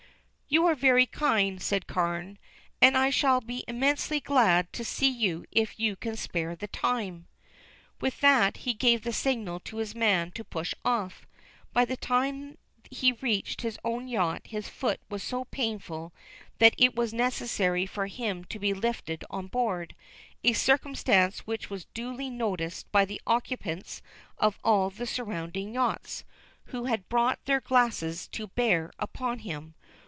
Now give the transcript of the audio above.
"You are very kind," said Carne, "and I shall be immensely glad to see you if you can spare the time." With that he gave the signal to his man to push off. By the time he reached his own yacht his foot was so painful that it was necessary for him to be lifted on board a circumstance which was duly noticed by the occupants of all the surrounding yachts, who had brought their glasses to bear upon him.